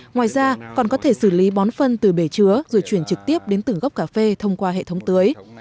ngoài ra còn có thể xử lý bón phân từ bể chứa rồi chuyển trực tiếp đến từng gốc cà phê thông qua hệ thống tưới